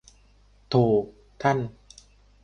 โถ ท่าน